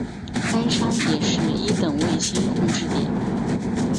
该山也是一等卫星控制点。